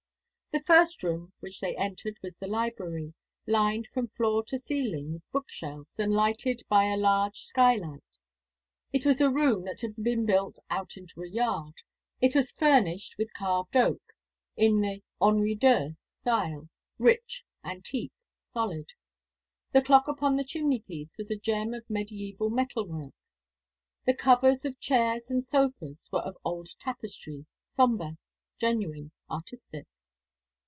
The first room which they entered was the library, lined from floor to ceiling with book shelves, and lighted by a large skylight. It was a room that had been built out into a yard. It was furnished with carved oak, in the Henri Deux style, rich, antique, solid. The clock upon the chimney piece was a gem of mediæval metal work. The covers of chairs and sofas were of old tapestry, sombre, genuine, artistic.